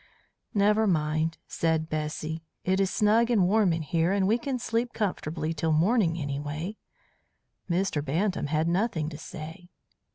"Never mind," said Bessy. "It is snug and warm in here, and we can sleep comfortably till morning, anyway." Mr. Bantam had nothing to say.